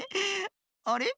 あれ？